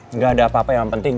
nggak ada apa apa yang penting